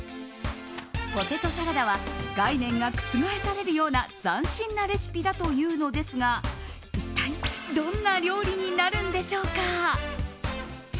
ポテトサラダは概念が覆されるような斬新なレシピだというのですが一体どんな料理になるのでしょうか。